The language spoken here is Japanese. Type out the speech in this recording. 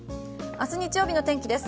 明日日曜日の天気です。